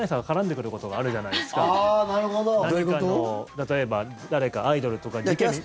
例えば誰かアイドルとかに。